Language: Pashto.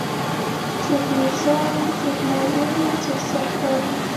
څوک میرزا وو څوک معلم وو څوک سر کار وو.